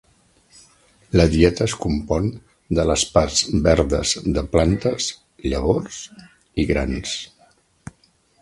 La dieta es compon de les parts verdes de plantes, llavors i grans.